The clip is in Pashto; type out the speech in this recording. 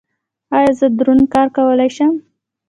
ایا زه دروند کار کولی شم؟